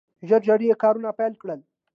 ژر ژر یې کارونه پیل کړل.